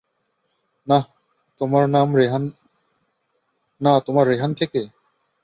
না তোমার রেহান থেকে?